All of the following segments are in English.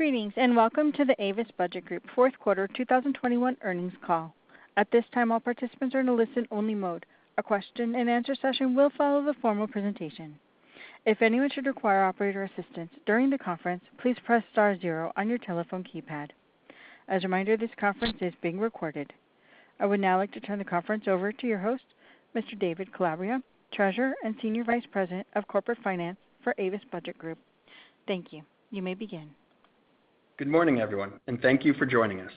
Greetings, and welcome to the Avis Budget Group Q4 2021 earnings call. At this time, all participants are in a listen-only mode. A question-and-answer session will follow the formal presentation. If anyone should require operator assistance during the conference, please press star zero on your telephone keypad. As a reminder, this conference is being recorded. I would now like to turn the conference over to your host, Mr. David Calabria, Treasurer and Senior Vice President of Corporate Finance for Avis Budget Group. Thank you. You may begin. Good morning, everyone, and thank you for joining us.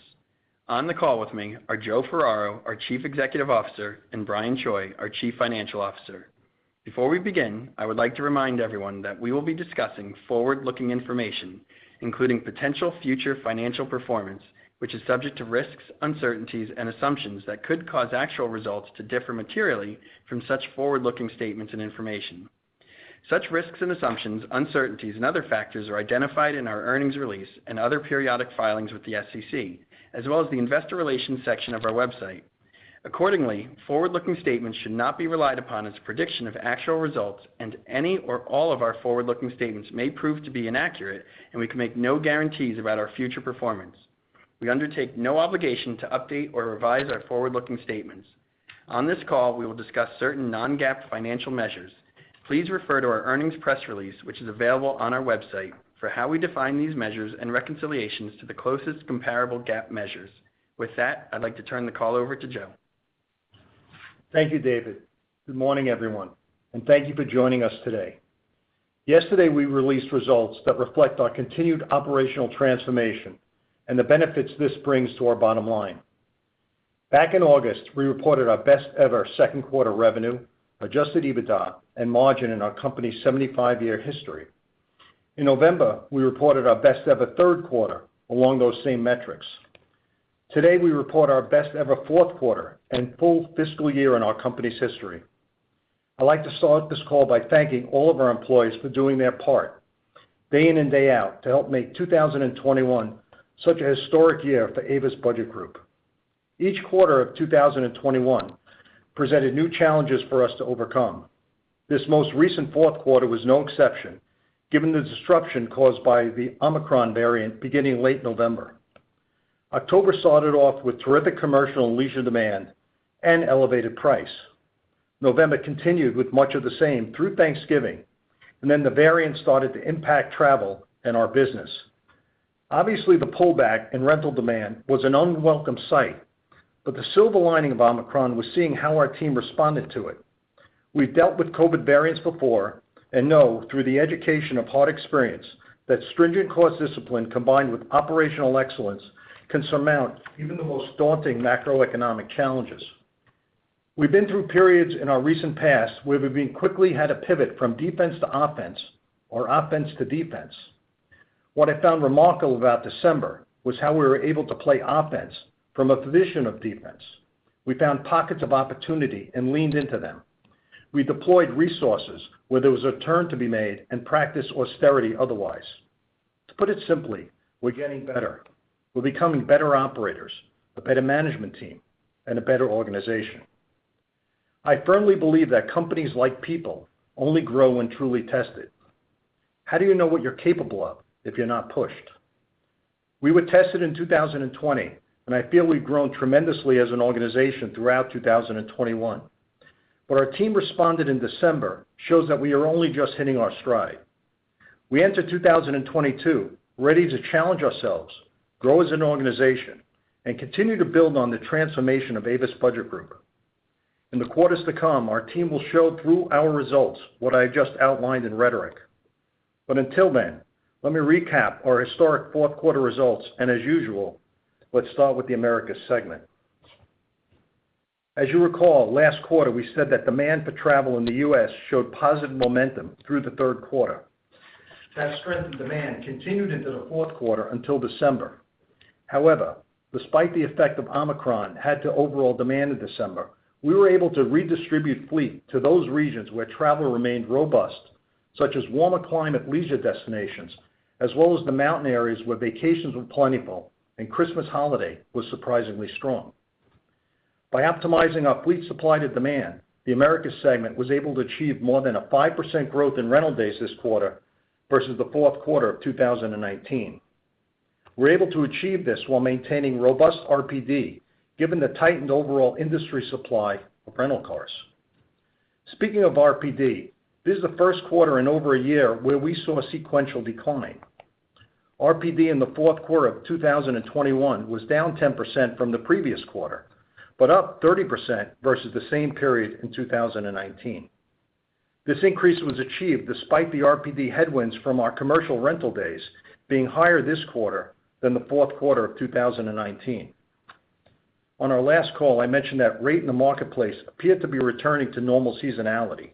On the call with me are Joe Ferraro, our Chief Executive Officer, and Brian Choi, our Chief Financial Officer. Before we begin, I would like to remind everyone that we will be discussing forward-looking information, including potential future financial performance, which is subject to risks, uncertainties, and assumptions that could cause actual results to differ materially from such forward-looking statements and information. Such risks and assumptions, uncertainties and other factors are identified in our earnings release and other periodic filings with the SEC, as well as the investor relations section of our website. Accordingly, forward-looking statements should not be relied upon as a prediction of actual results, and any or all of our forward-looking statements may prove to be inaccurate, and we can make no guarantees about our future performance. We undertake no obligation to update or revise our forward-looking statements. On this call, we will discuss certain non-GAAP financial measures. Please refer to our earnings press release, which is available on our website for how we define these measures and reconciliations to the closest comparable GAAP measures. With that, I'd like to turn the call over to Joe. Thank you, David. Good morning, everyone, and thank you for joining us today. Yesterday, we released results that reflect our continued operational transformation and the benefits this brings to our bottom line. Back in August, we reported our best ever Q2 revenue, Adjusted EBITDA, and margin in our company's 75-year history. In November, we reported our best ever Q3 along those same metrics. Today, we report our best ever Q4 and full fiscal year in our company's history. I'd like to start this call by thanking all of our employees for doing their part day in and day out to help make 2021 such a historic year for Avis Budget Group. Each quarter of 2021 presented new challenges for us to overcome. This most recent Q4 was no exception given the disruption caused by the Omicron variant beginning late November. October started off with terrific commercial and leisure demand and elevated price. November continued with much of the same through Thanksgiving, and then the variant started to impact travel and our business. Obviously, the pullback in rental demand was an unwelcome sight, but the silver lining of Omicron was seeing how our team responded to it. We've dealt with COVID variants before and know through the education of hard experience that stringent cost discipline combined with operational excellence can surmount even the most daunting macroeconomic challenges. We've been through periods in our recent past where we've quickly had to pivot from defense to offense or offense to defense. What I found remarkable about December was how we were able to play offense from a position of defense. We found pockets of opportunity and leaned into them. We deployed resources where there was a turn to be made and practiced austerity otherwise. To put it simply, we're getting better. We're becoming better operators, a better management team, and a better organization. I firmly believe that companies like people only grow when truly tested. How do you know what you're capable of if you're not pushed? We were tested in 2020, and I feel we've grown tremendously as an organization throughout 2021. What our team responded in December shows that we are only just hitting our stride. We enter 2022 ready to challenge ourselves, grow as an organization, and continue to build on the transformation of Avis Budget Group. In the quarters to come, our team will show through our results what I just outlined in rhetoric. Until then, let me recap our historic Q4 results, and as usual, let's start with the Americas segment. As you recall, last quarter we said that demand for travel in the U.S. showed positive momentum through the Q3. That strength in demand continued into the Q4 until December. However, despite the effect of Omicron had to overall demand in December, we were able to redistribute fleet to those regions where travel remained robust, such as warmer climate leisure destinations, as well as the mountain areas where vacations were plentiful and Christmas holiday was surprisingly strong. By optimizing our fleet supply to demand, the Americas segment was able to achieve more than 5% growth in rental days this quarter versus the Q4 of 2019. We're able to achieve this while maintaining robust RPD, given the tightened overall industry supply of rental cars. Speaking of RPD, this is the Q1 in over a year where we saw a sequential decline. RPD in the Q4 of 2021 was down 10% from the previous quarter, but up 30% versus the same period in 2019. This increase was achieved despite the RPD headwinds from our commercial rental days being higher this quarter than the Q4 of 2019. On our last call, I mentioned that rate in the marketplace appeared to be returning to normal seasonality.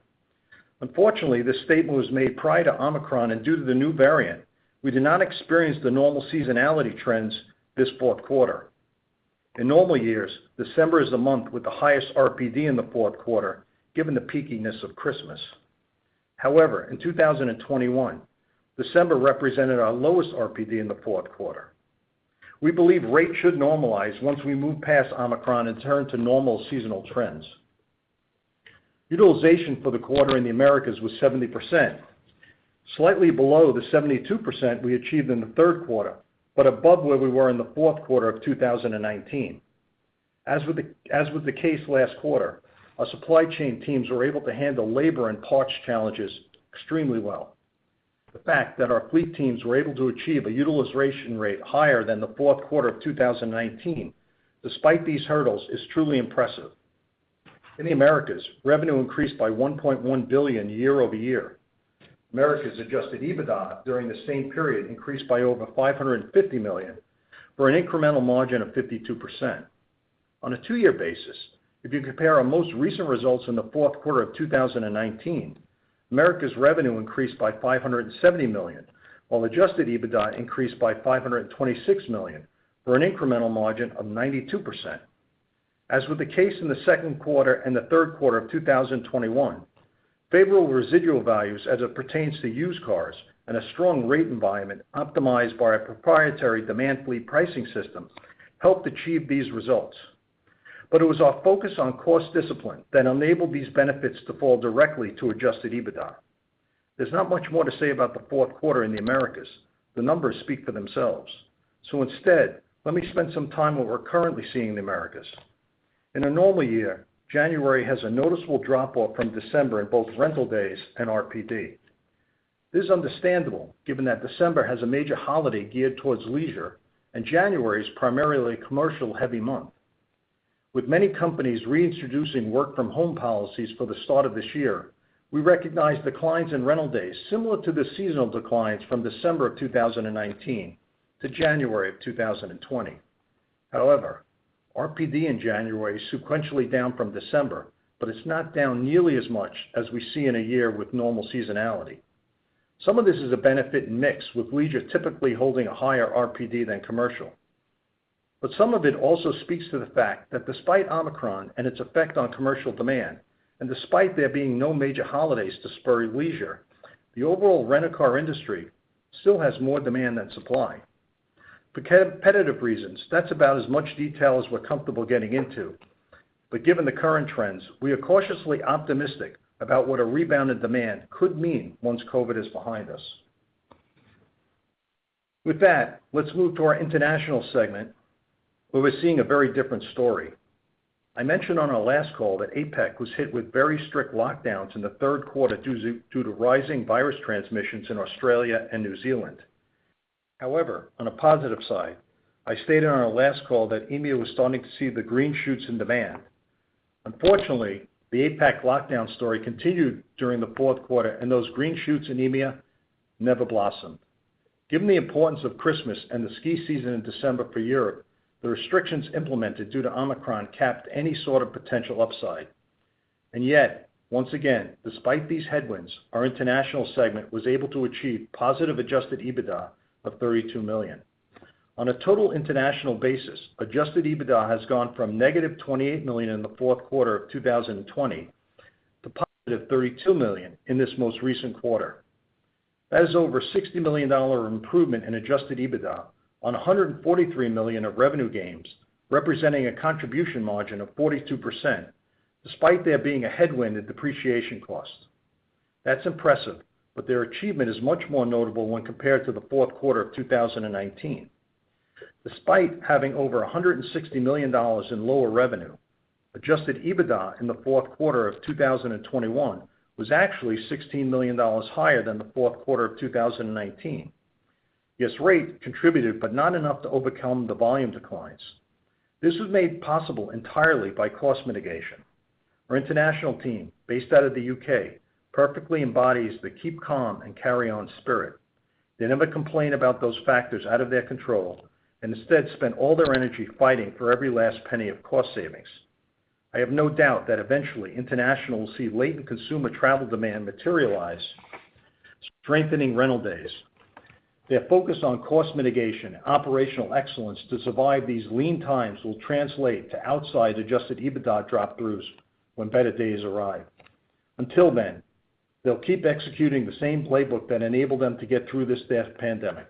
Unfortunately, this statement was made prior to Omicron, and due to the new variant, we did not experience the normal seasonality trends this Q4. In normal years, December is the month with the highest RPD in the Q4, given the peakiness of Christmas. However, in 2021, December represented our lowest RPD in the Q4. We believe rate should normalize once we move past Omicron and return to normal seasonal trends. Utilization for the quarter in the Americas was 70%, slightly below the 72% we achieved in the Q3, but above where we were in the Q4 of 2019. As with the case last quarter, our supply chain teams were able to handle labor and parts challenges extremely well. The fact that our fleet teams were able to achieve a utilization rate higher than the Q4 of 2019, despite these hurdles, is truly impressive. In the Americas, revenue increased by $1.1 billion year-over-year. Americas Adjusted EBITDA during the same period increased by over $550 million for an incremental margin of 52%. On a two-year basis, if you compare our most recent results in the Q4 of 2019, Americas revenue increased by $570 million, while Adjusted EBITDA increased by $526 million for an incremental margin of 92%. As with the case in the Q2 and the Q3 of 2021, favorable residual values as it pertains to used cars and a strong rate environment optimized by our proprietary demand fleet pricing system helped achieve these results. It was our focus on cost discipline that enabled these benefits to fall directly to Adjusted EBITDA. There's not much more to say about the Q4 in the Americas. The numbers speak for themselves. Instead, let me spend some time on what we're currently seeing in the Americas. In a normal year, January has a noticeable drop off from December in both rental days and RPD. This is understandable given that December has a major holiday geared towards leisure, and January is primarily a commercial heavy month. With many companies reintroducing work from home policies for the start of this year, we recognize declines in rental days similar to the seasonal declines from December of 2019 to January of 2020. However, RPD in January is sequentially down from December, but it's not down nearly as much as we see in a year with normal seasonality. Some of this is a benefit in mix with leisure typically holding a higher RPD than commercial. Some of it also speaks to the fact that despite Omicron and its effect on commercial demand, and despite there being no major holidays to spur leisure, the overall rental car industry still has more demand than supply. For competitive reasons, that's about as much detail as we're comfortable getting into. Given the current trends, we are cautiously optimistic about what a rebounded demand could mean once COVID is behind us. With that, let's move to our international segment, where we're seeing a very different story. I mentioned on our last call that APAC was hit with very strict lockdowns in the Q3 due to rising virus transmissions in Australia and New Zealand. However, on a positive side, I stated on our last call that EMEA was starting to see the green shoots in demand. Unfortunately, the APAC lockdown story continued during the Q4, and those green shoots in EMEA never blossomed. Given the importance of Christmas and the ski season in December for Europe, the restrictions implemented due to Omicron capped any sort of potential upside. Yet, once again, despite these headwinds, our international segment was able to achieve positive Adjusted EBITDA of $32 million. On a total international basis, Adjusted EBITDA has gone from negative $28 million in the Q4 of 2020 to positive $32 million in this most recent quarter. That is over $60 million improvement in Adjusted EBITDA on $143 million of revenue gains, representing a contribution margin of 42%, despite there being a headwind in depreciation costs. That's impressive, but their achievement is much more notable when compared to the Q4 of 2019. Despite having over $160 million in lower revenue, Adjusted EBITDA in the Q4 of 2021 was actually $16 million higher than the Q4 of 2019. Yes, rate contributed, but not enough to overcome the volume declines. This was made possible entirely by cost mitigation. Our international team, based out of the U.K., perfectly embodies the keep calm and carry on spirit. They never complain about those factors out of their control, and instead spend all their energy fighting for every last penny of cost savings. I have no doubt that eventually international will see latent consumer travel demand materialize, strengthening rental days. Their focus on cost mitigation and operational excellence to survive these lean times will translate to outsized Adjusted EBITDA drop throughs when better days arrive. Until then, they'll keep executing the same playbook that enabled them to get through this daft pandemic.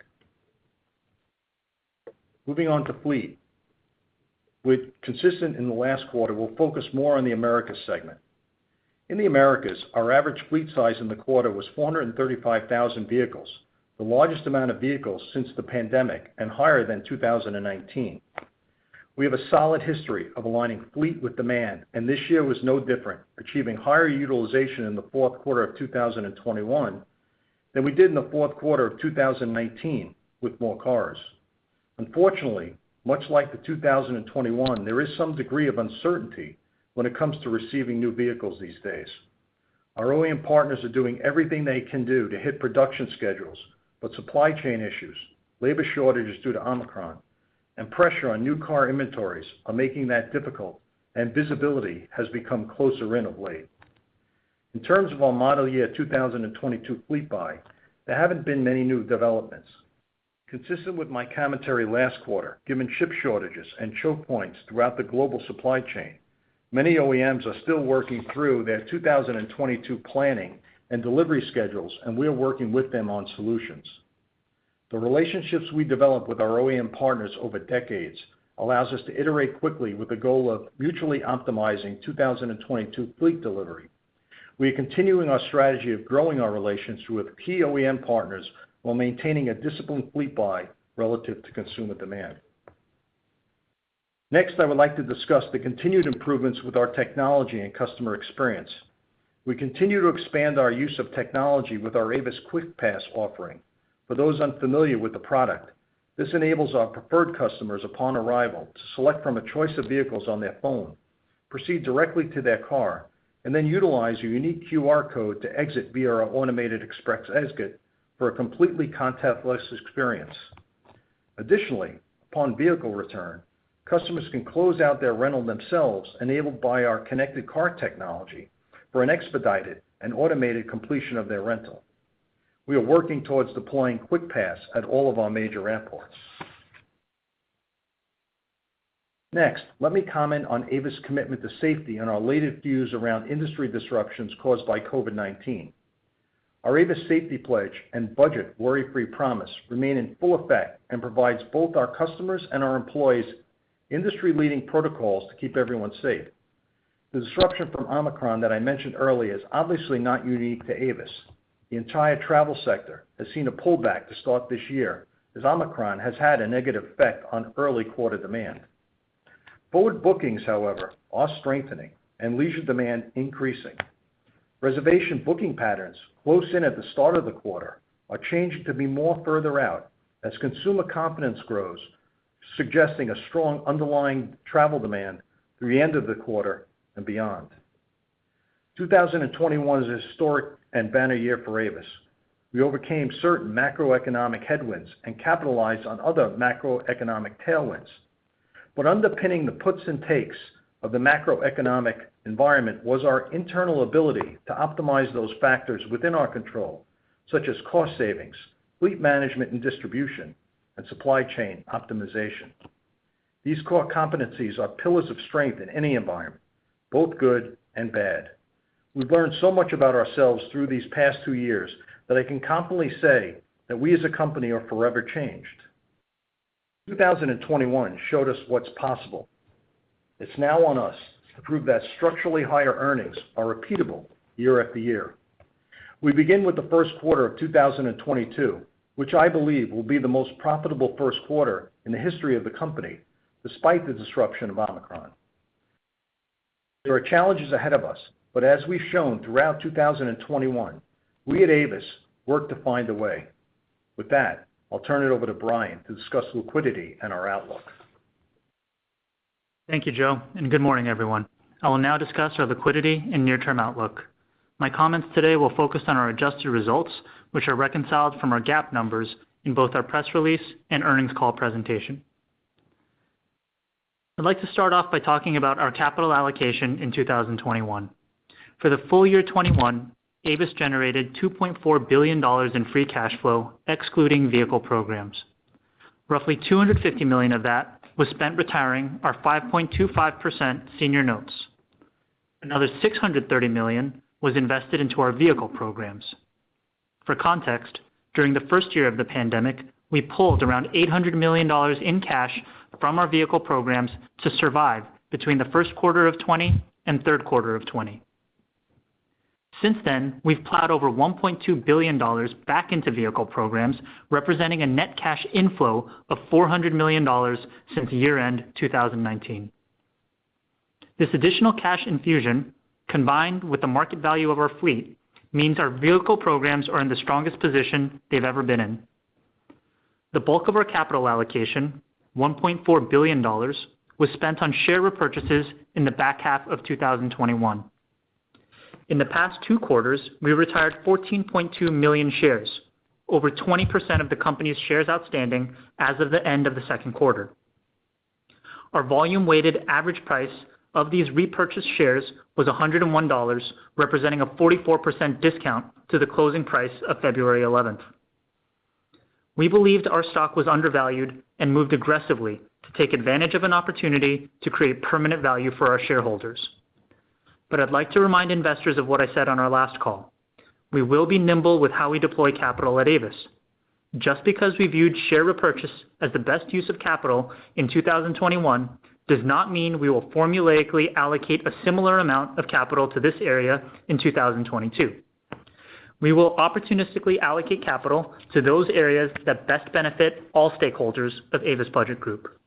Moving on to fleet. With consistency in the last quarter, we'll focus more on the Americas segment. In the Americas, our average fleet size in the quarter was 435,000 vehicles, the largest amount of vehicles since the pandemic and higher than 2019. We have a solid history of aligning fleet with demand, and this year was no different, achieving higher utilization in the Q4 of 2021 than we did in the Q4 of 2019 with more cars. Unfortunately, much like 2021, there is some degree of uncertainty when it comes to receiving new vehicles these days. Our OEM partners are doing everything they can do to hit production schedules, but supply chain issues, labor shortages due to Omicron, and pressure on new car inventories are making that difficult, and visibility has become closer in of late. In terms of our model year 2022 fleet buy, there haven't been many new developments. Consistent with my commentary last quarter, given chip shortages and choke points throughout the global supply chain, many OEMs are still working through their 2022 planning and delivery schedules, and we are working with them on solutions. The relationships we develop with our OEM partners over decades allows us to iterate quickly with the goal of mutually optimizing 2022 fleet delivery. We are continuing our strategy of growing our relations with key OEM partners while maintaining a disciplined fleet buy relative to consumer demand. Next, I would like to discuss the continued improvements with our technology and customer experience. We continue to expand our use of technology with our Avis QuickPass offering. For those unfamiliar with the product, this enables our preferred customers upon arrival to select from a choice of vehicles on their phone, proceed directly to their car, and then utilize a unique QR code to exit via our automated express exit for a completely contactless experience. Additionally, upon vehicle return, customers can close out their rental themselves enabled by our connected car technology for an expedited and automated completion of their rental. We are working towards deploying QuickPass at all of our major airports. Next, let me comment on Avis's commitment to safety and our latest views around industry disruptions caused by COVID-19. Our Avis Safety Pledge and Budget Worry-Free Promise remain in full effect and provides both our customers and our employees industry-leading protocols to keep everyone safe. The disruption from Omicron that I mentioned earlier is obviously not unique to Avis. The entire travel sector has seen a pullback to start this year as Omicron has had a negative effect on early quarter demand. Forward bookings, however, are strengthening and leisure demand increasing. Reservation booking patterns close in at the start of the quarter are changing to be more further out as consumer confidence grows, suggesting a strong underlying travel demand through the end of the quarter and beyond. 2021 is a historic and banner year for Avis. We overcame certain macroeconomic headwinds and capitalized on other macroeconomic tailwinds. Underpinning the puts and takes of the macroeconomic environment was our internal ability to optimize those factors within our control, such as cost savings, fleet management and distribution, and supply chain optimization. These core competencies are pillars of strength in any environment, both good and bad. We've learned so much about ourselves through these past two years that I can confidently say that we as a company are forever changed. 2021 showed us what's possible. It's now on us to prove that structurally higher earnings are repeatable year after year. We begin with the Q1 of 2022, which I believe will be the most profitable Q1 in the history of the company, despite the disruption of Omicron. There are challenges ahead of us, but as we've shown throughout 2021, we at Avis work to find a way. With that, I'll turn it over to Brian to discuss liquidity and our outlook. Thank you, Joe, and good morning, everyone. I will now discuss our liquidity and near-term outlook. My comments today will focus on our adjusted results, which are reconciled from our GAAP numbers in both our press release and earnings call presentation. I'd like to start off by talking about our capital allocation in 2021. For the full year 2021, Avis generated $2.4 billion in free cash flow, excluding vehicle programs. Roughly $250 million of that was spent retiring our 5.25% senior notes. Another $630 million was invested into our vehicle programs. For context, during the first year of the pandemic, we pulled around $800 million in cash from our vehicle programs to survive between the Q1 of 2020 and Q3 of 2020. Since then, we've plowed over $1.2 billion back into vehicle programs, representing a net cash inflow of $400 million since year-end 2019. This additional cash infusion, combined with the market value of our fleet, means our vehicle programs are in the strongest position they've ever been in. The bulk of our capital allocation, $1.4 billion, was spent on share repurchases in the back half of 2021. In the past two quarters, we retired 14.2 million shares, over 20% of the company's shares outstanding as of the end of the Q2. Our volume-weighted average price of these repurchased shares was $101, representing a 44% discount to the closing price of February eleventh. We believed our stock was undervalued and moved aggressively to take advantage of an opportunity to create permanent value for our shareholders. I'd like to remind investors of what I said on our last call. We will be nimble with how we deploy capital at Avis. Just because we viewed share repurchase as the best use of capital in 2021 does not mean we will formulaically allocate a similar amount of capital to this area in 2022. We will opportunistically allocate capital to those areas that best benefit all stakeholders of Avis Budget Group.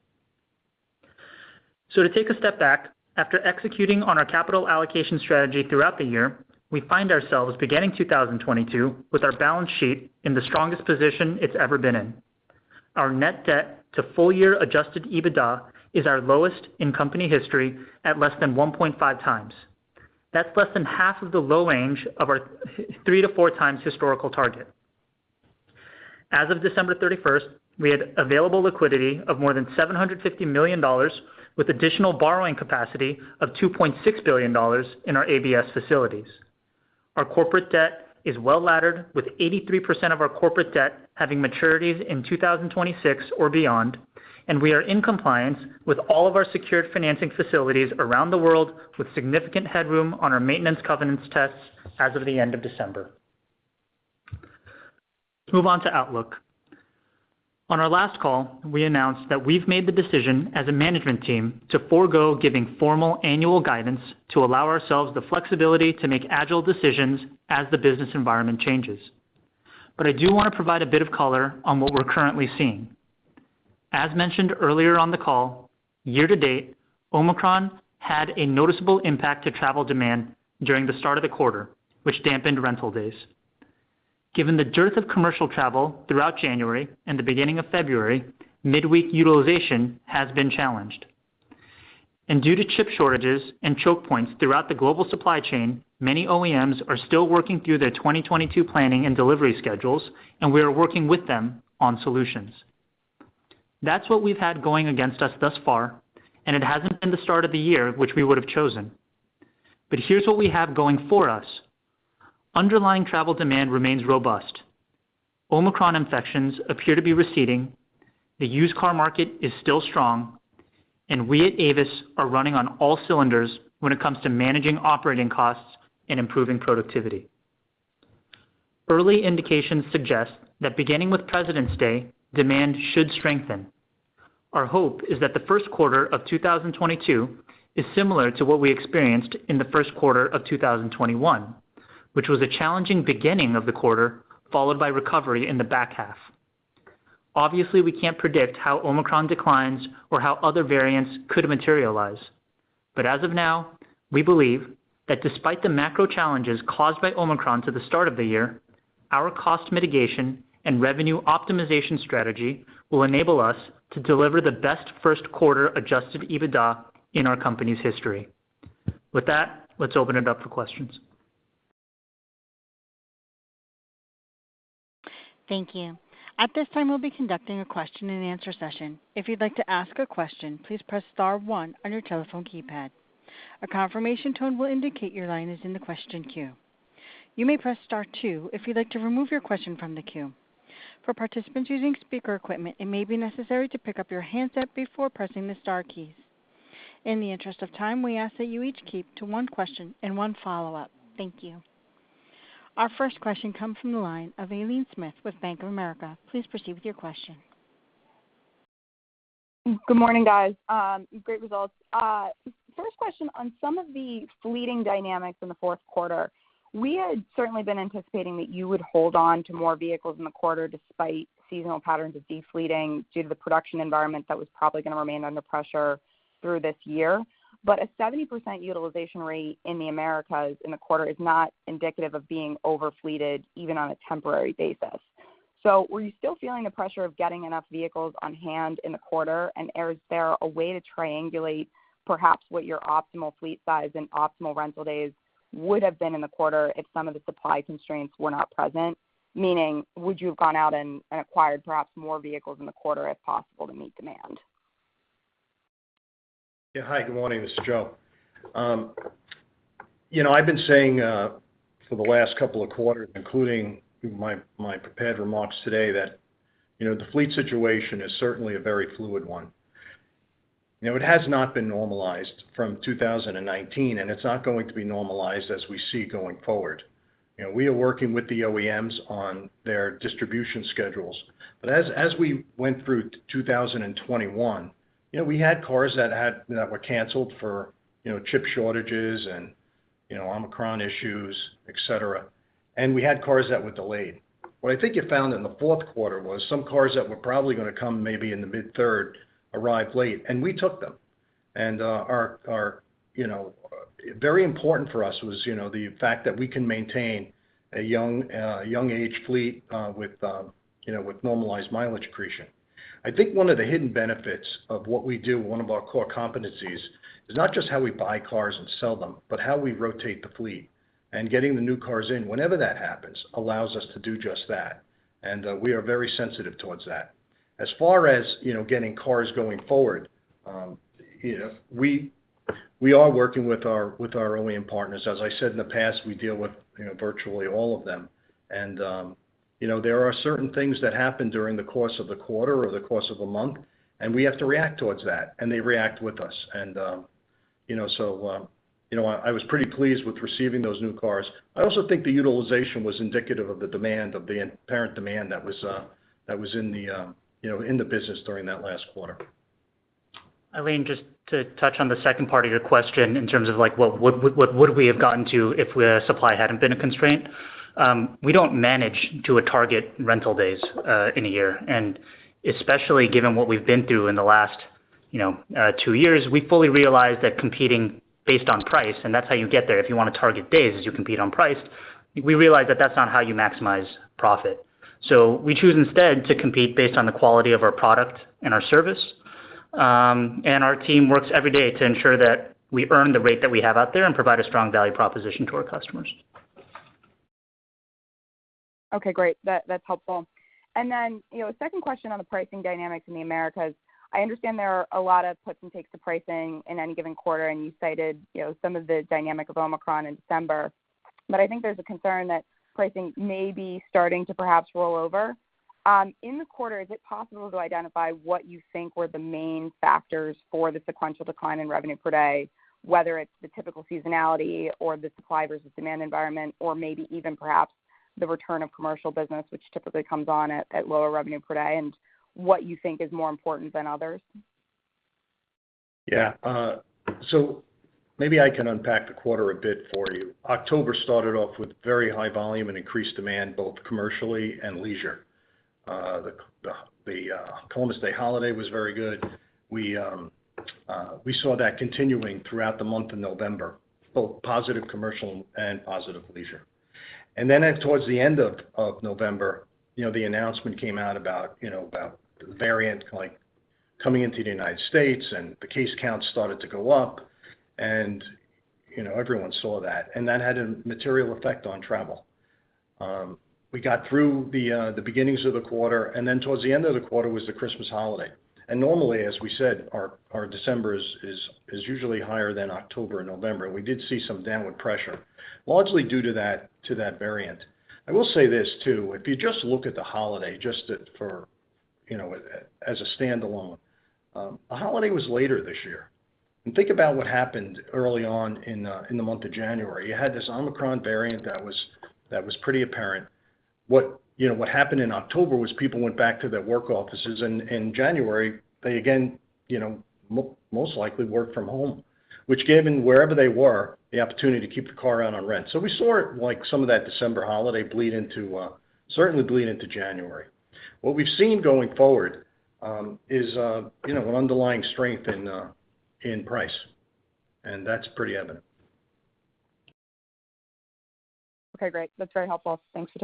To take a step back, after executing on our capital allocation strategy throughout the year, we find ourselves beginning 2022 with our balance sheet in the strongest position it's ever been in. Our net debt to full-year Adjusted EBITDA is our lowest in company history at less than 1.5 times. That's less than half of the low range of our 3-4 times historical target. As of December 31, we had available liquidity of more than $750 million with additional borrowing capacity of $2.6 billion in our ABS facilities. Our corporate debt is well-laddered, with 83% of our corporate debt having maturities in 2026 or beyond, and we are in compliance with all of our secured financing facilities around the world with significant headroom on our maintenance covenants tests as of the end of December. Let's move on to outlook. On our last call, we announced that we've made the decision as a management team to forgo giving formal annual guidance to allow ourselves the flexibility to make agile decisions as the business environment changes. I do wanna provide a bit of color on what we're currently seeing. As mentioned earlier on the call, year-to-date, Omicron had a noticeable impact to travel demand during the start of the quarter, which dampened rental days. Given the dearth of commercial travel throughout January and the beginning of February, midweek utilization has been challenged. Due to chip shortages and choke points throughout the global supply chain, many OEMs are still working through their 2022 planning and delivery schedules, and we are working with them on solutions. That's what we've had going against us thus far, and it hasn't been the start of the year which we would have chosen. Here's what we have going for us. Underlying travel demand remains robust. Omicron infections appear to be receding. The used car market is still strong, and we at Avis are running on all cylinders when it comes to managing operating costs and improving productivity. Early indications suggest that beginning with Presidents' Day, demand should strengthen. Our hope is that the Q1 of 2022 is similar to what we experienced in the Q1 of 2021, which was a challenging beginning of the quarter, followed by recovery in the back half. Obviously, we can't predict how Omicron declines or how other variants could materialize, but as of now we believe that despite the macro challenges caused by Omicron to the start of the year, our cost mitigation and revenue optimization strategy will enable us to deliver the best Q1 Adjusted EBITDA in our company's history. With that, let's open it up for questions. Thank you. At this time, we'll be conducting a question and answer session. If you'd like to ask a question, please press star one on your telephone keypad. A confirmation tone will indicate your line is in the question queue. You may press star two if you'd like to remove your question from the queue. For participants using speaker equipment, it may be necessary to pick up your handset before pressing the star keys. In the interest of time, we ask that you each keep to one question and one follow-up. Thank you. Our first question comes from the line of Aileen Smith with Bank of America. Please proceed with your question. Good morning, guys. Great results. First question on some of the fleet dynamics in the Q4. We had certainly been anticipating that you would hold on to more vehicles in the quarter despite seasonal patterns of de-fleeting due to the production environment that was probably gonna remain under pressure through this year. A 70% utilization rate in the Americas in the quarter is not indicative of being over-fleeted, even on a temporary basis. Were you still feeling the pressure of getting enough vehicles on hand in the quarter? And is there a way to triangulate, perhaps, what your optimal fleet size and optimal rental days would have been in the quarter if some of the supply constraints were not present? Meaning, would you have gone out and acquired perhaps more vehicles in the quarter if possible to meet demand? Yeah. Hi, good morning. This is Joe. You know, I've been saying for the last couple of quarters, including my prepared remarks today, that you know, the fleet situation is certainly a very fluid one. You know, it has not been normalized from 2019, and it's not going to be normalized as we see going forward. You know, we are working with the OEMs on their distribution schedules. But as we went through 2021, you know, we had cars that were canceled for you know, chip shortages and you know, Omicron issues, et cetera, and we had cars that were delayed. What I think you found in the Q4 was some cars that were probably gonna come maybe in the mid-third arrived late, and we took them. You know, very important for us was, you know, the fact that we can maintain a young age fleet, with, you know, with normalized mileage accretion. I think one of the hidden benefits of what we do, one of our core competencies, is not just how we buy cars and sell them, but how we rotate the fleet. Getting the new cars in, whenever that happens, allows us to do just that, and we are very sensitive towards that. As far as, you know, getting cars going forward, you know, we are working with our OEM partners. As I said in the past, we deal with, you know, virtually all of them. You know, there are certain things that happen during the course of the quarter or the course of a month, and we have to react towards that, and they react with us. You know, you know, I was pretty pleased with receiving those new cars. I also think the utilization was indicative of the demand, of the inherent demand that was in the, you know, in the business during that last quarter. Aileen, just to touch on the second part of your question in terms of like, well, what would we have gotten to if the supply hadn't been a constraint? We don't manage to a target rental days in a year. Especially given what we've been through in the last, you know, two years, we fully realize that competing based on price, and that's how you get there, if you wanna target days is you compete on price. We realize that that's not how you maximize profit. We choose instead to compete based on the quality of our product and our service. Our team works every day to ensure that we earn the rate that we have out there and provide a strong value proposition to our customers. Okay, great. That's helpful. You know, second question on the pricing dynamics in the Americas. I understand there are a lot of puts and takes to pricing in any given quarter, and you cited, you know, some of the dynamics of Omicron in December. I think there's a concern that pricing may be starting to perhaps roll over, in the quarter. Is it possible to identify what you think were the main factors for the sequential decline in revenue per day, whether it's the typical seasonality or the supply versus demand environment, or maybe even perhaps the return of commercial business, which typically comes on at lower revenue per day, and what you think is more important than others? Yeah. So maybe I can unpack the quarter a bit for you. October started off with very high volume and increased demand, both commercially and leisure. The Columbus Day holiday was very good. We saw that continuing throughout the month of November, both positive commercial and positive leisure. As towards the end of November, you know, the announcement came out about, you know, about the variant like coming into the United States, and the case count started to go up and, you know, everyone saw that, and that had a material effect on travel. We got through the beginnings of the quarter, and then towards the end of the quarter was the Christmas holiday. Normally, as we said, our December is usually higher than October and November. We did see some downward pressure, largely due to that variant. I will say this too, if you just look at the holiday, you know, as a standalone, the holiday was later this year. Think about what happened early on in the month of January. You had this Omicron variant that was pretty apparent. What, you know, happened in October was people went back to their work offices. In January, they again, you know, most likely worked from home, which gave them wherever they were, the opportunity to keep the car out on rent. We saw some of that December holiday bleed into January. What we've seen going forward is, you know, an underlying strength in price, and that's pretty evident. Okay, great. That's very helpful. Thanks for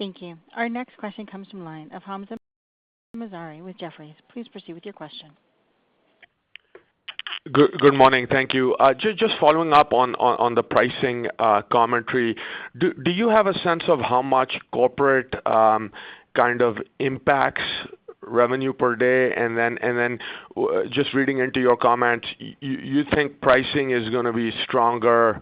taking the question. Thank you. Our next question comes from line of Hamzah Mazari with Jefferies. Please proceed with your question. Good morning. Thank you. Just following up on the pricing commentary. Do you have a sense of how much corporate kind of impacts revenue per day? Then just reading into your comment, you think pricing is gonna be stronger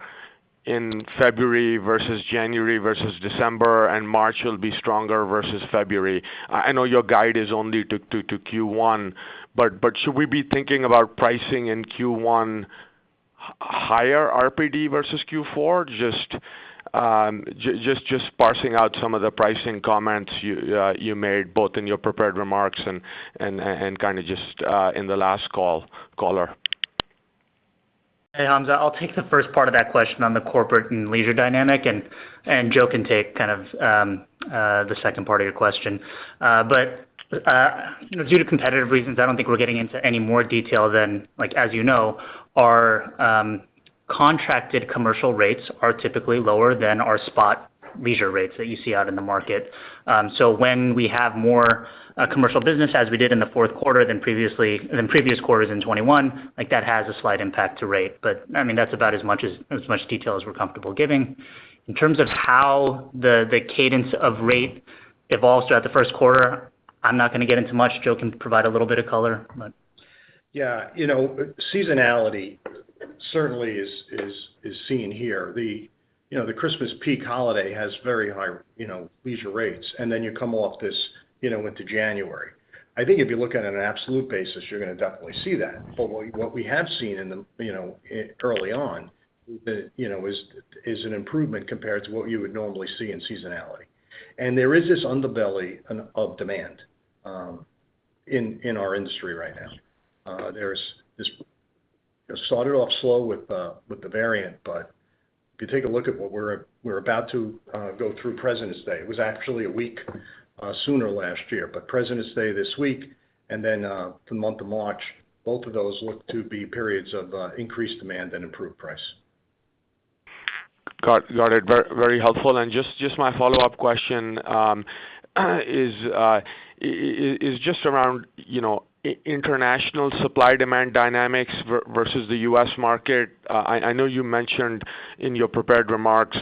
in February versus January versus December, and March will be stronger versus February. I know your guide is only to Q1, but should we be thinking about pricing in Q1 higher RPD versus Q4? Just parsing out some of the pricing comments you made both in your prepared remarks and kind of just in the last call. Hey, Hamza. I'll take the first part of that question on the corporate and leisure dynamic and Joe can take kind of the second part of your question. You know, due to competitive reasons, I don't think we're getting into any more detail than like as you know, our contracted commercial rates are typically lower than our spot leisure rates that you see out in the market. When we have more commercial business as we did in the Q4 than previous quarters in 2021, like that has a slight impact to rate. I mean, that's about as much detail as we're comfortable giving. In terms of how the cadence of rate evolves throughout the Q1, I'm not gonna get into much. Joe can provide a little bit of color. Yeah. You know, seasonality certainly is seen here. You know, the Christmas peak holiday has very high, you know, leisure rates, and then you come off this, you know, into January. I think if you look at it on an absolute basis, you're gonna definitely see that. What we have seen in you know, early on, you know, is an improvement compared to what you would normally see in seasonality. There is this underbelly of demand in our industry right now. It started off slow with the variant, but if you take a look at what we're about to go through Presidents' Day, it was actually a week sooner last year. Presidents' Day this week and then the month of March, both of those look to be periods of increased demand and improved price. Got it. Very helpful. Just my follow-up question is just around, you know, international supply-demand dynamics versus the U.S. market. I know you mentioned in your prepared remarks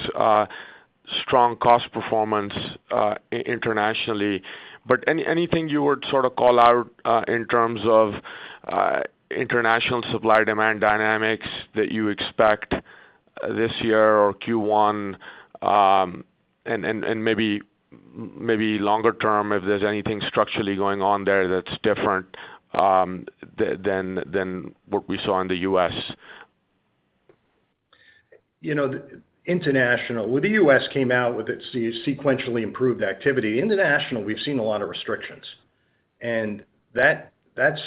strong cost performance internationally. Anything you would sort of call out in terms of international supply-demand dynamics that you expect this year or Q1, and maybe longer term, if there's anything structurally going on there that's different than what we saw in the U.S. You know, international. Well, the U.S. came out with its sequentially improved activity. International, we've seen a lot of restrictions, and that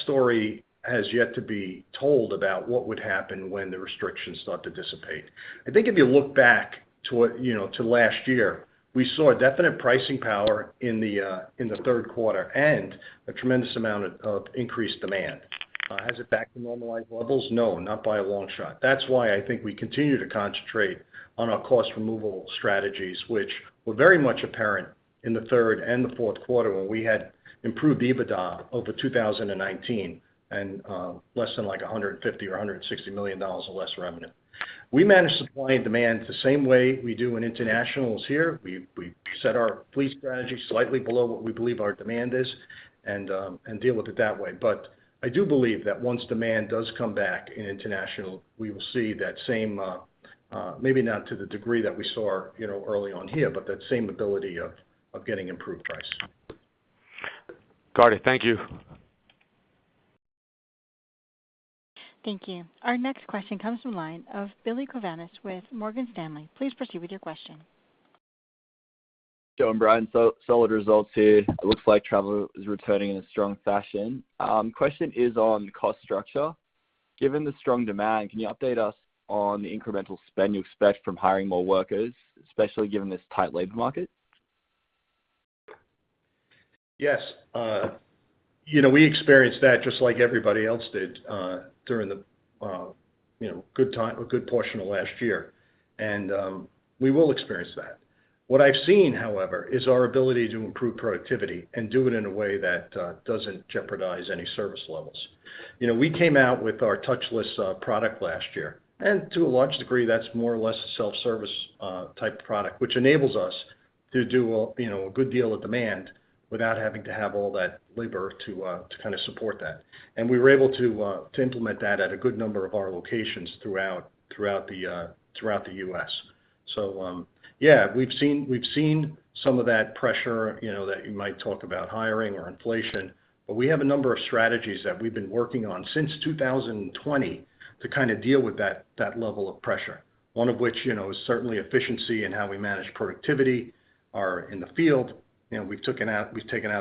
story has yet to be told about what would happen when the restrictions start to dissipate. I think if you look back to, you know, to last year, we saw a definite pricing power in the Q3 and a tremendous amount of increased demand. Is it back to normalized levels? No, not by a long shot. That's why I think we continue to concentrate on our cost removal strategies, which were very much apparent in the third and the Q4 when we had improved EBITDA over 2019 and less than like $150 million or $160 million of less revenue. We manage supply and demand the same way we do in internationals here. We set our fleet strategy slightly below what we believe our demand is and deal with it that way. But I do believe that once demand does come back in international, we will see that same, maybe not to the degree that we saw, you know, early on here, but that same ability of getting improved price. Got it. Thank you. Thank you. Our next question comes from line of Billy Kovanis with Morgan Stanley. Please proceed with your question. Joe and Brian, solid results here. It looks like travel is returning in a strong fashion. Question is on cost structure. Given the strong demand, can you update us on the incremental spend you expect from hiring more workers, especially given this tight labor market? Yes. You know, we experienced that just like everybody else did during the, you know, good time or good portion of last year, and we will experience that. What I've seen, however, is our ability to improve productivity and do it in a way that doesn't jeopardize any service levels. You know, we came out with our touchless product last year, and to a large degree, that's more or less a self-service type product, which enables us to do a, you know, a good deal of demand without having to have all that labor to kinda support that. We were able to implement that at a good number of our locations throughout the U.S. Yeah, we've seen some of that pressure, you know, that you might talk about hiring or inflation, but we have a number of strategies that we've been working on since 2020 to kinda deal with that level of pressure. One of which, you know, is certainly efficiency and how we manage productivity are in the field. You know, we've taken out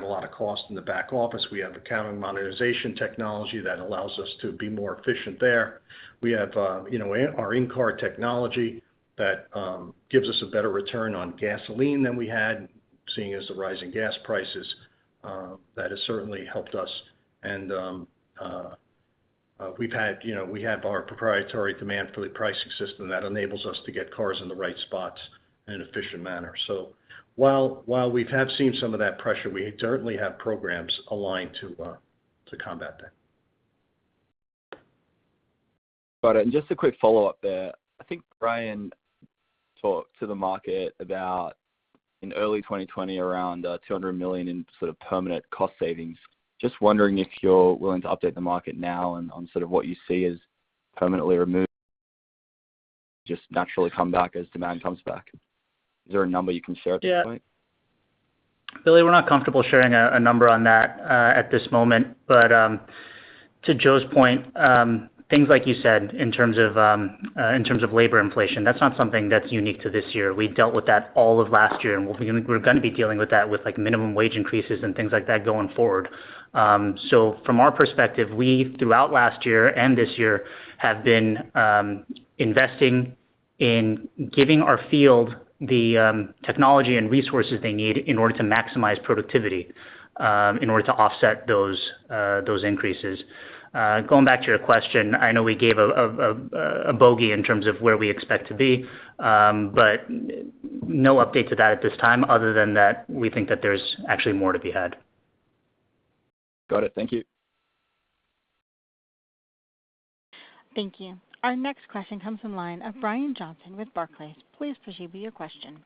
a lot of cost in the back office. We have account and monetization technology that allows us to be more efficient there. We have, you know, our in-car technology that gives us a better return on gasoline than we had, seeing as the rising gas prices. That has certainly helped us. You know, we have our proprietary demand-fleet pricing system that enables us to get cars in the right spots in an efficient manner. While we've seen some of that pressure, we certainly have programs aligned to combat that. Got it. Just a quick follow-up there. I think Brian talked to the market about in early 2020 around $200 million in sort of permanent cost savings. Just wondering if you're willing to update the market now on sort of what you see as permanently removed, just naturally come back as demand comes back. Is there a number you can share at this point? Yeah. Billy, we're not comfortable sharing a number on that at this moment. To Joe's point, things like you said in terms of labor inflation, that's not something that's unique to this year. We dealt with that all of last year, and we're gonna be dealing with that with, like, minimum wage increases and things like that going forward. From our perspective, we throughout last year and this year have been investing in giving our field the technology and resources they need in order to maximize productivity in order to offset those increases. Going back to your question, I know we gave a bogey in terms of where we expect to be, but no update to that at this time other than that we think that there's actually more to be had. Got it. Thank you. Thank you. Our next question comes from the line of Brian Johnson with Barclays. Please proceed with your question.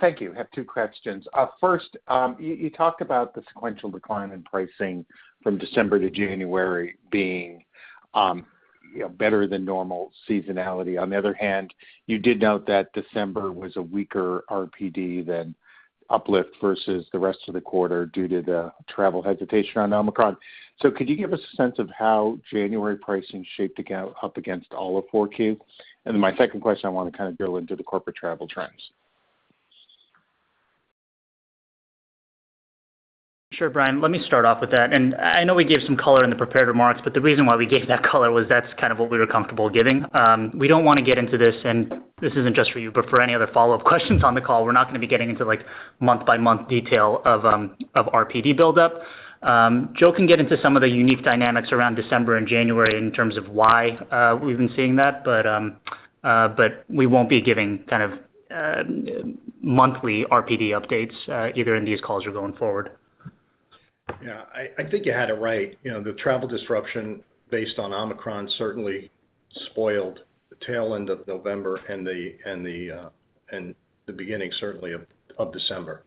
Thank you. I have two questions. First, you talked about the sequential decline in pricing from December to January being you know better than normal seasonality. On the other hand, you did note that December was a weaker RPD than uplift versus the rest of the quarter due to the travel hesitation on Omicron. Could you give us a sense of how January pricing shaped again up against all of four Q? My second question, I wanna kind of drill into the corporate travel trends. Sure, Brian. Let me start off with that. I know we gave some color in the prepared remarks, but the reason why we gave that color was that's kind of what we were comfortable giving. We don't wanna get into this, and this isn't just for you, but for any other follow-up questions on the call, we're not gonna be getting into, like, month-by-month detail of RPD buildup. Joe can get into some of the unique dynamics around December and January in terms of why we've been seeing that, but we won't be giving kind of monthly RPD updates either in these calls or going forward. Yeah. I think you had it right. The travel disruption based on Omicron certainly spoiled the tail end of November and the beginning certainly of December.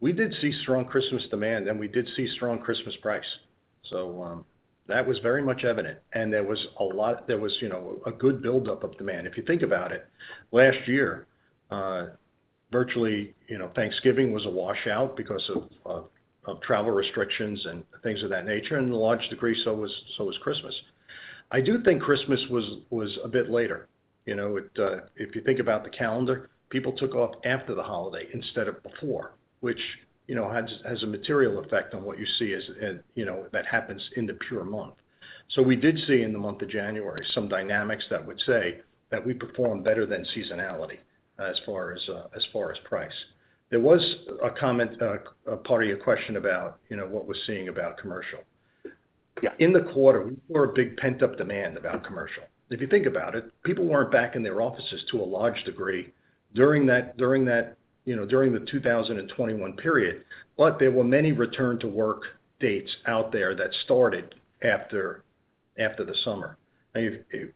We did see strong Christmas demand, and we did see strong Christmas price. That was very much evident. There was a good buildup of demand. If you think about it, last year, virtually, Thanksgiving was a washout because of travel restrictions and things of that nature, and in a large degree, so was Christmas. I do think Christmas was a bit later. You know, if you think about the calendar, people took off after the holiday instead of before, which, you know, has a material effect on what you see as, you know, that happens in the pure month. We did see in the month of January some dynamics that would say that we performed better than seasonality as far as price. There was a comment, a part of your question about, you know, what we're seeing about commercial. Yeah. In the quarter, we saw a big pent-up demand about commercial. If you think about it, people weren't back in their offices to a large degree during that, you know, during the 2021 period, but there were many return to work dates out there that started after the summer. If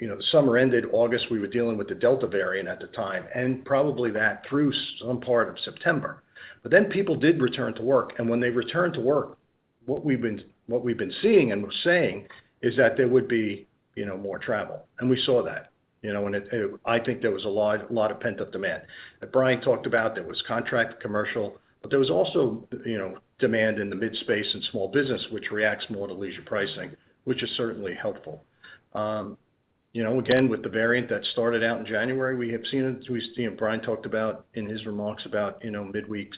you know, the summer ended August, we were dealing with the Delta variant at the time, and probably that through some part of September. Then people did return to work, and when they returned to work, what we've been seeing and we've been saying is that there would be, you know, more travel, and we saw that, you know. I think there was a lot of pent-up demand. As Brian talked about, there was contract commercial, but there was also, you know, demand in the midsize and small business, which reacts more to leisure pricing, which is certainly helpful. You know, again, with the variant that started out in January, we have seen it, as Brian talked about in his remarks, you know, midweek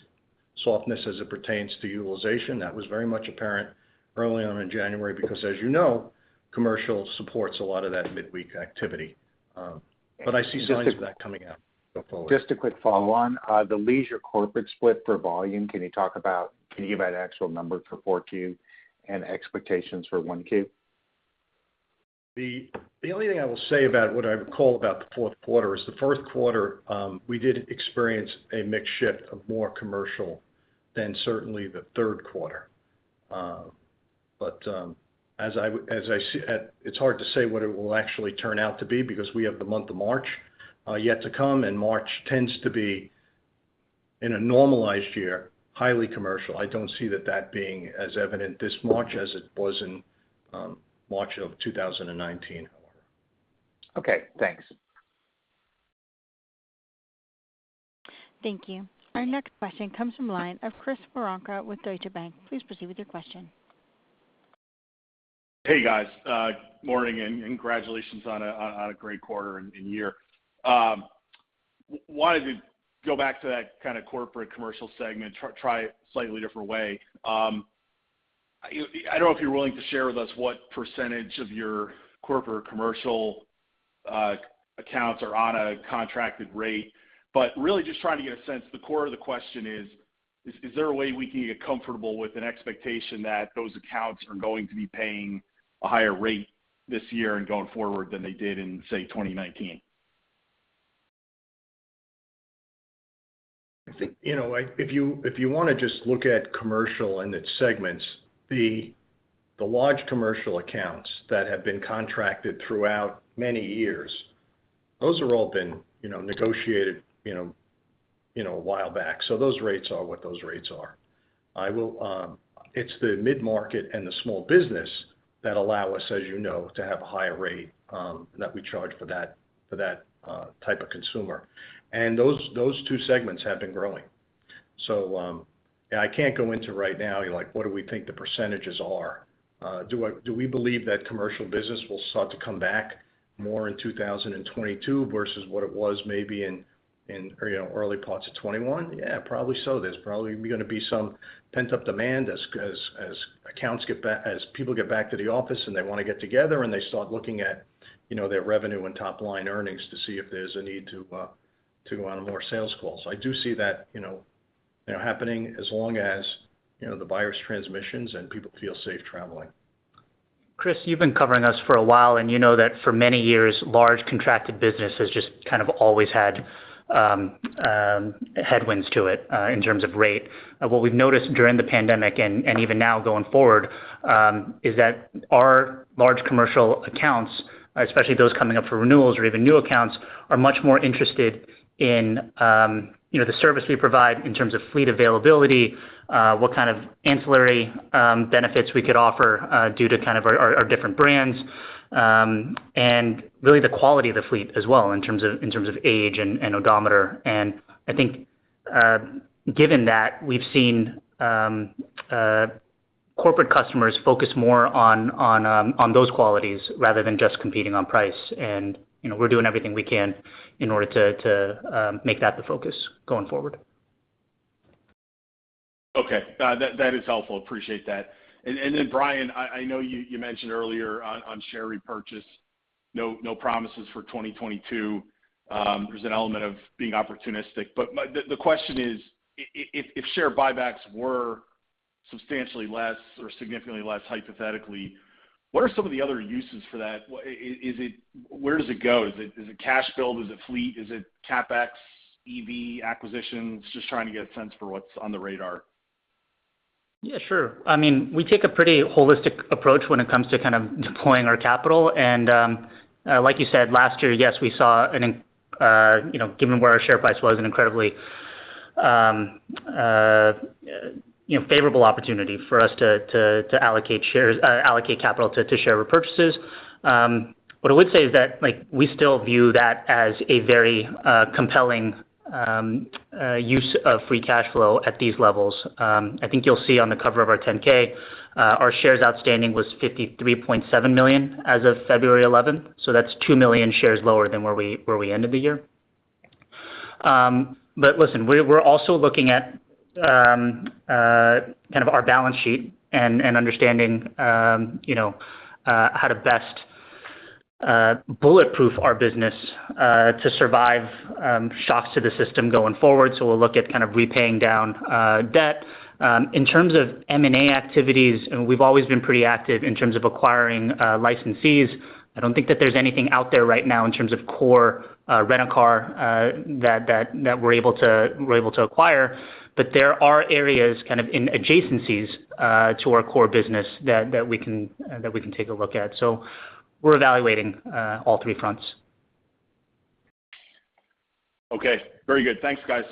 softness as it pertains to utilization. That was very much apparent early on in January because as you know, commercial supports a lot of that midweek activity. I see signs of that coming out. Just a quick follow-on. The leisure corporate split for volume, can you give an actual number for Q4 and expectations for Q1? The only thing I will say about what I would call about the Q4 is the Q1. We did experience a mixed shift of more commercial than certainly the Q3. As I see it's hard to say what it will actually turn out to be because we have the month of March yet to come, and March tends to be in a normalized year highly commercial. I don't see that being as evident this March as it was in March of 2019. Okay, thanks. Thank you. Our next question comes from the line of Chris Woronka with Deutsche Bank. Please proceed with your question. Hey, guys. Morning and congratulations on a great quarter and year. Wanted to go back to that kind of corporate commercial segment, try a slightly different way. I don't know if you're willing to share with us what percentage of your corporate commercial accounts are on a contracted rate, but really just trying to get a sense. The core of the question is there a way we can get comfortable with an expectation that those accounts are going to be paying a higher rate this year and going forward than they did in, say, 2019? I think, you know, if you wanna just look at commercial and its segments, the large commercial accounts that have been contracted throughout many years, those have all been, you know, negotiated a while back. Those rates are what those rates are. It's the mid-market and the small business that allow us, as you know, to have a higher rate that we charge for that type of consumer. Those two segments have been growing. Yeah, I can't go into right now, like, what do we think the percentages are. Do we believe that commercial business will start to come back more in 2022 versus what it was maybe in early parts of 2021? Yeah, probably so. There's probably gonna be some pent-up demand as people get back to the office and they wanna get together and they start looking at, you know, their revenue and top-line earnings to see if there's a need to go on more sales calls. I do see that, you know, happening as long as, you know, the virus transmissions and people feel safe traveling. Chris, you've been covering us for a while, and you know that for many years, large contracted business has just kind of always had headwinds to it in terms of rate. What we've noticed during the pandemic and even now going forward is that our large commercial accounts especially those coming up for renewals or even new accounts are much more interested in you know the service we provide in terms of fleet availability what kind of ancillary benefits we could offer due to kind of our different brands and really the quality of the fleet as well in terms of age and odometer. I think given that we've seen corporate customers focus more on those qualities rather than just competing on price. You know, we're doing everything we can in order to make that the focus going forward. Okay. That is helpful. Appreciate that. Then Brian, I know you mentioned earlier on share repurchase, no promises for 2022. There's an element of being opportunistic. The question is, if share buybacks were substantially less or significantly less hypothetically, what are some of the other uses for that? Where does it go? Is it cash build? Is it fleet? Is it CapEx, EV acquisitions? Just trying to get a sense for what's on the radar. Yeah, sure. I mean, we take a pretty holistic approach when it comes to kind of deploying our capital. Like you said, last year, yes, we saw, you know, given where our share price was an incredibly, you know, favorable opportunity for us to allocate capital to share repurchases. What I would say is that, like, we still view that as a very compelling use of free cash flow at these levels. I think you'll see on the cover of our 10-K, our shares outstanding was 53.7 million as of February eleventh, so that's 2 million shares lower than where we ended the year. Listen, we're also looking at kind of our balance sheet and understanding you know how to best bulletproof our business to survive shocks to the system going forward. We'll look at kind of paying down debt. In terms of M&A activities, we've always been pretty active in terms of acquiring licensees. I don't think that there's anything out there right now in terms of core rent a car that we're able to acquire. There are areas kind of in adjacencies to our core business that we can take a look at. We're evaluating all three fronts. Okay, very good. Thanks, guys.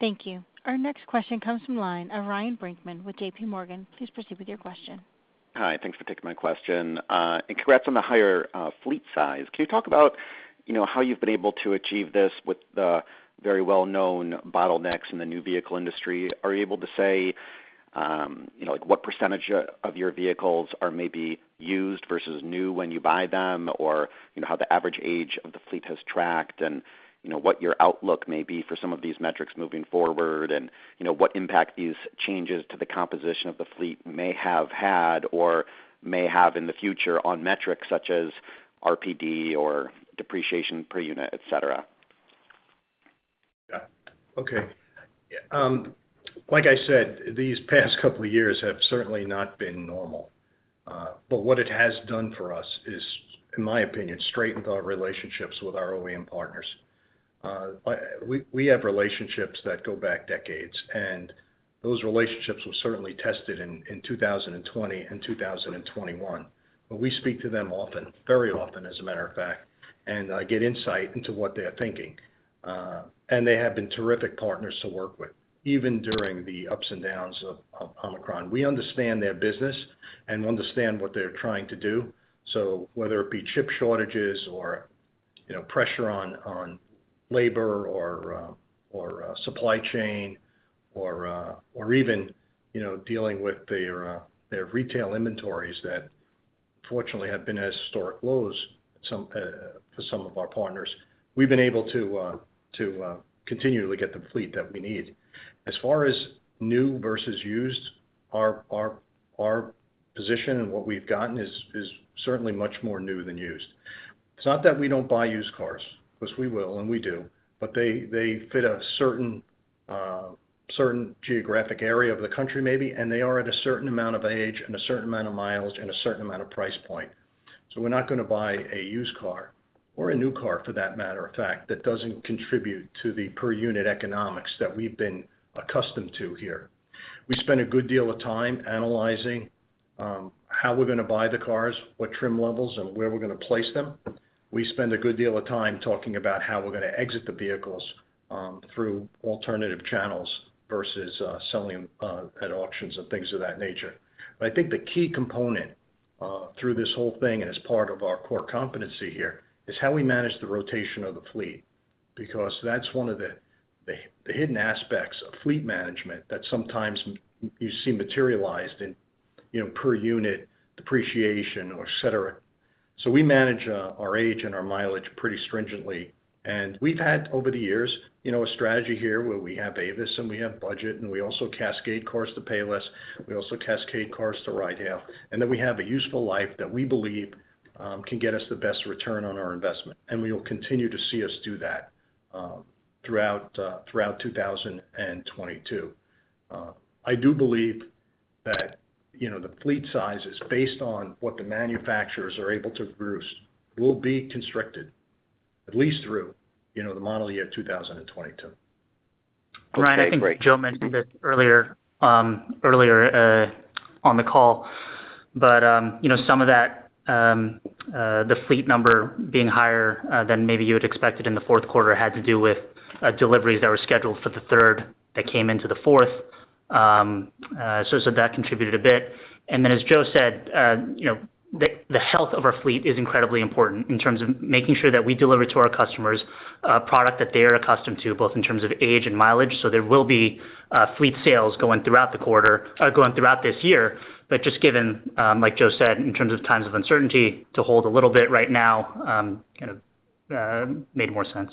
Thank you. Our next question comes from the line of Ryan Brinkman with JPMorgan. Please proceed with your question. Hi. Thanks for taking my question. Congrats on the higher fleet size. Can you talk about, you know, how you've been able to achieve this with the very well-known bottlenecks in the new vehicle industry? Are you able to say, you know, like what percentage of your vehicles are maybe used versus new when you buy them? Or, you know, how the average age of the fleet has tracked and, you know, what your outlook may be for some of these metrics moving forward? You know, what impact these changes to the composition of the fleet may have had or may have in the future on metrics such as RPD or depreciation per unit, et cetera? Yeah. Okay. Like I said, these past couple of years have certainly not been normal. What it has done for us is, in my opinion, strengthened our relationships with our OEM partners. We have relationships that go back decades, and those relationships were certainly tested in 2020 and 2021. We speak to them often, very often, as a matter of fact, and I get insight into what they're thinking. They have been terrific partners to work with, even during the ups and downs of Omicron. We understand their business and understand what they're trying to do. Whether it be chip shortages or, you know, pressure on labor or supply chain or even, you know, dealing with their retail inventories that fortunately have been at historic lows some for some of our partners. We've been able to continually get the fleet that we need. As far as new versus used, our position and what we've gotten is certainly much more new than used. It's not that we don't buy used cars, because we will, and we do, but they fit a certain geographic area of the country maybe, and they are at a certain amount of age and a certain amount of miles and a certain amount of price point. We're not gonna buy a used car or a new car for that matter of fact, that doesn't contribute to the per unit economics that we've been accustomed to here. We spend a good deal of time analyzing how we're gonna buy the cars, what trim levels, and where we're gonna place them. We spend a good deal of time talking about how we're gonna exit the vehicles through alternative channels versus selling them at auctions and things of that nature. I think the key component through this whole thing, and as part of our core competency here, is how we manage the rotation of the fleet, because that's one of the hidden aspects of fleet management that sometimes you see materialized in, you know, per unit depreciation or et cetera. We manage our age and our mileage pretty stringently. We've had, over the years, you know, a strategy here where we have Avis and we have Budget, and we also cascade cars to Payless, we also cascade cars to ride-hail. We have a useful life that we believe can get us the best return on our investment, and you'll continue to see us do that throughout 2022. I do believe that, you know, the fleet size is based on what the manufacturers are able to produce will be constricted at least through the model year 2022. Okay, great. Ryan, I think Joe mentioned it earlier on the call, but you know, some of that, the fleet number being higher than maybe you had expected in the Q4 had to do with deliveries that were scheduled for the third that came into the fourth. That contributed a bit. As Joe said, the health of our fleet is incredibly important in terms of making sure that we deliver to our customers a product that they are accustomed to, both in terms of age and mileage. There will be fleet sales going throughout the quarter, going throughout this year. Just given, like Joe said, in terms of times of uncertainty to hold a little bit right now, kind of made more sense.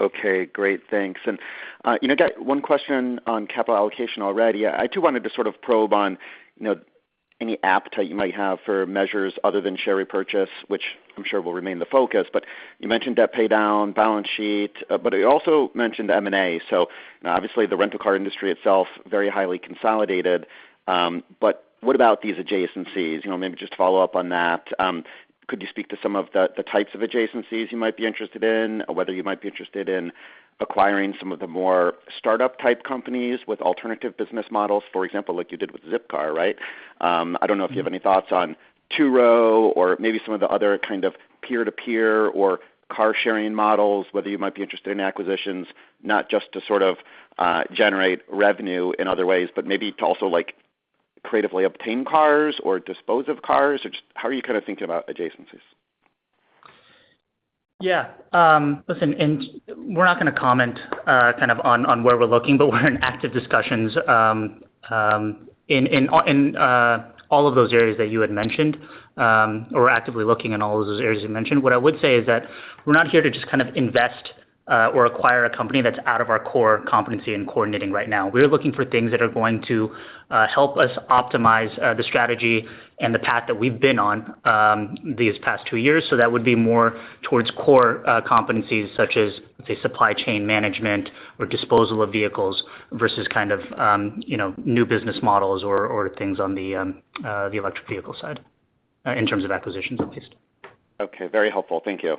Okay, great. Thanks. You know, got one question on capital allocation already. I too wanted to sort of probe on, you know, any appetite you might have for measures other than share repurchase, which I'm sure will remain the focus. You mentioned debt pay down, balance sheet, but you also mentioned M&A. You know, obviously the rental car industry itself, very highly consolidated. What about these adjacencies? You know, maybe just to follow up on that, could you speak to some of the types of adjacencies you might be interested in, whether you might be interested in acquiring some of the more startup type companies with alternative business models, for example, like you did with Zipcar, right? I don't know if you have any thoughts on Turo or maybe some of the other kind of peer-to-peer or car-sharing models, whether you might be interested in acquisitions not just to sort of, generate revenue in other ways, but maybe to also like creatively obtain cars or dispose of cars, or just how are you kind of thinking about adjacencies? Yeah. Listen, we're not gonna comment kind of on where we're looking, but we're in active discussions in all of those areas that you had mentioned. We're actively looking in all of those areas you mentioned. What I would say is that we're not here to just kind of invest or acquire a company that's out of our core competency in coordinating right now. We're looking for things that are going to help us optimize the strategy and the path that we've been on these past two years. That would be more towards core competencies such as the supply chain management or disposal of vehicles versus kind of you know, new business models or things on the electric vehicle side in terms of acquisitions at least. Okay. Very helpful. Thank you.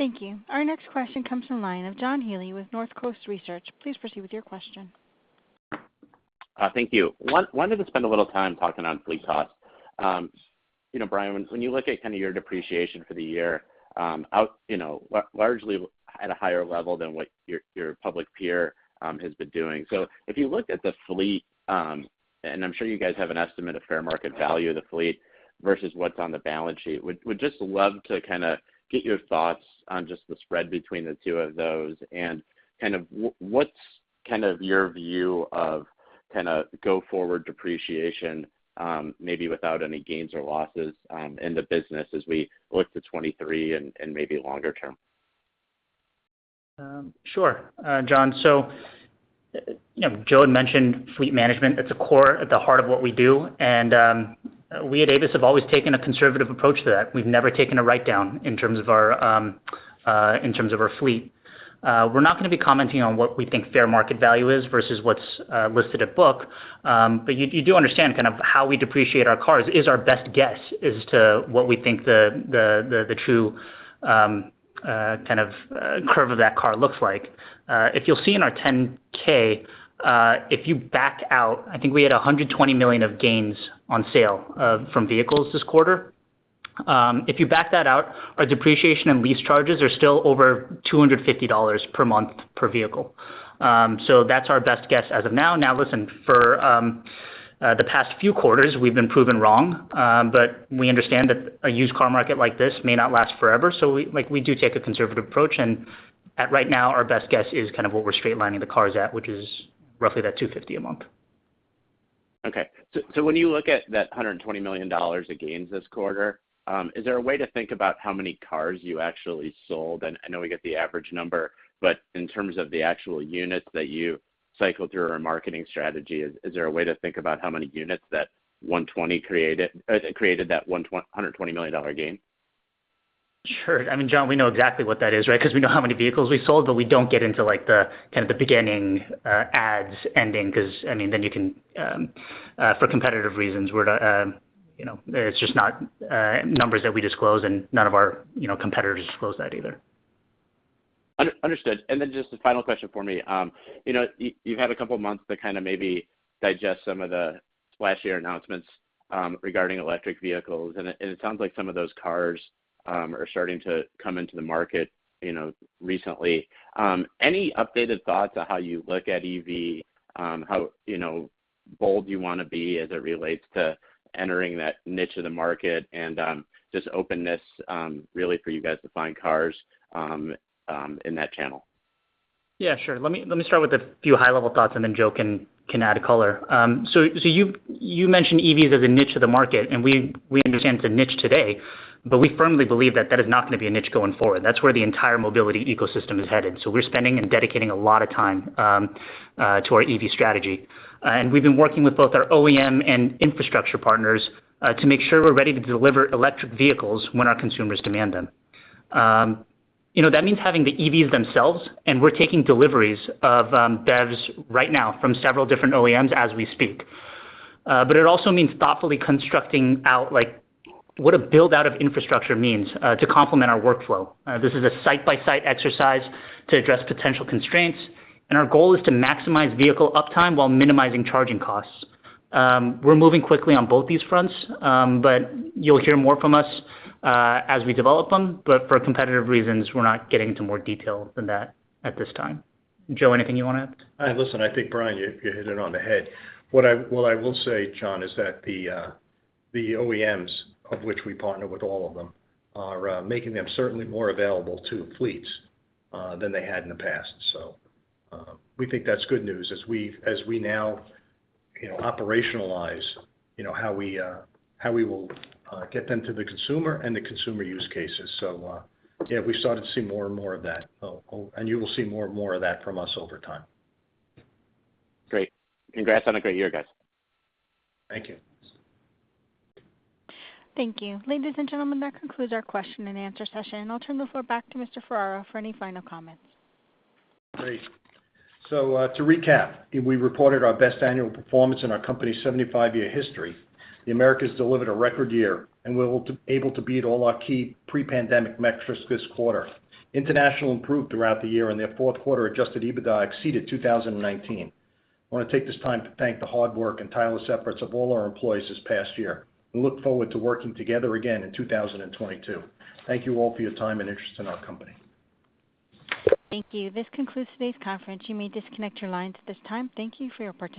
Thank you. Our next question comes from the line of John Healy with Northcoast Research Partners. Please proceed with your question. Thank you. Wanted to spend a little time talking on fleet costs. You know, Brian, when you look at kind of your depreciation for the year, you know, largely at a higher level than what your public peer has been doing. If you look at the fleet, and I'm sure you guys have an estimate of fair market value of the fleet versus what's on the balance sheet, would just love to kind of get your thoughts on just the spread between the two of those and kind of what's kind of your view of kind of go forward depreciation, maybe without any gains or losses, in the business as we look to 2023 and maybe longer term? Sure, John. You know, Joe had mentioned fleet management. That's a core at the heart of what we do, and we at Avis have always taken a conservative approach to that. We've never taken a write down in terms of our fleet. We're not gonna be commenting on what we think fair market value is versus what's listed at book. But you do understand kind of how we depreciate our cars is our best guess as to what we think the true kind of curve of that car looks like. If you'll see in our 10-K, if you back out I think we had $120 million of gains on sale from vehicles this quarter. If you back that out, our depreciation and lease charges are still over $250 per month per vehicle. So that's our best guess as of now. Now, listen, for the past few quarters, we've been proven wrong, but we understand that a used car market like this may not last forever. Like, we do take a conservative approach, and right now our best guess is kind of what we're straight lining the cars at, which is roughly that $250 a month. When you look at that $120 million of gains this quarter, is there a way to think about how many cars you actually sold? I know we get the average number, but in terms of the actual units that you cycle through or marketing strategy, is there a way to think about how many units that 120 created that $120 million gain? Sure. I mean, John, we know exactly what that is, right? Because we know how many vehicles we sold, but we don't get into, like, the kind of beginning and ending 'cause, I mean, then you can, for competitive reasons, we're not, you know. It's just not numbers that we disclose and none of our, you know, competitors disclose that either. Understood. Then just the final question for me. You've had a couple months to kind of maybe digest some of the last year announcements regarding electric vehicles, and it sounds like some of those cars are starting to come into the market recently. Any updated thoughts on how you look at EV, how bold you wanna be as it relates to entering that niche of the market and just openness really for you guys to find cars in that channel? Yeah, sure. Let me start with a few high-level thoughts and then Joe can add color. You mentioned EVs as a niche of the market, and we understand it's a niche today, but we firmly believe that is not gonna be a niche going forward. That's where the entire mobility ecosystem is headed. We're spending and dedicating a lot of time to our EV strategy. And we've been working with both our OEM and infrastructure partners to make sure we're ready to deliver electric vehicles when our consumers demand them. You know, that means having the EVs themselves, and we're taking deliveries of BEVs right now from several different OEMs as we speak. But it also means thoughtfully constructing out, like, what a build-out of infrastructure means to complement our workflow. This is a site-by-site exercise to address potential constraints, and our goal is to maximize vehicle uptime while minimizing charging costs. We're moving quickly on both these fronts, but you'll hear more from us, as we develop them. For competitive reasons, we're not getting into more detail than that at this time. Joe, anything you wanna add? Listen, I think, Brian, you hit it on the head. What I will say, John, is that the OEMs, of which we partner with all of them, are making them certainly more available to fleets than they had in the past. We think that's good news as we now, you know, operationalize, you know, how we will get them to the consumer and the consumer use cases. Yeah, we started to see more and more of that. You will see more and more of that from us over time. Great. Congrats on a great year, guys. Thank you. Thank you. Ladies and gentlemen, that concludes our question and answer session, and I'll turn the floor back to Mr. Ferraro for any final comments. Great. To recap, we reported our best annual performance in our company's 75-year history. The Americas delivered a record year, and we're able to beat all our key pre-pandemic metrics this quarter. International improved throughout the year, and their Q4 Adjusted EBITDA exceeded 2019. I wanna take this time to thank the hard work and tireless efforts of all our employees this past year and look forward to working together again in 2022. Thank you all for your time and interest in our company. Thank you. This concludes today's conference. You may disconnect your lines at this time. Thank you for your participation.